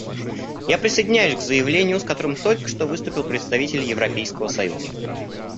Я присоединяюсь к заявлению, с которым только что выступил представитель Европейского союза.